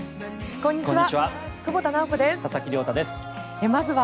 こんにちは。